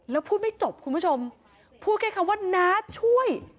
แล้วพูดไม่จบคุณผู้ชมพูดแค่คำว่าน้าช่วย